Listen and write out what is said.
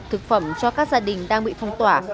thực phẩm cho các gia đình đang bị phong tỏa